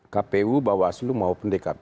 kpu bawaslu maupun dkpp